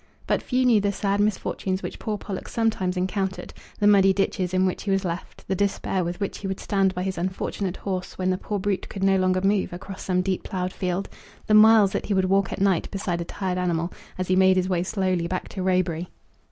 But few knew the sad misfortunes which poor Pollock sometimes encountered; the muddy ditches in which he was left; the despair with which he would stand by his unfortunate horse when the poor brute could no longer move across some deep ploughed field; the miles that he would walk at night beside a tired animal, as he made his way slowly back to Roebury!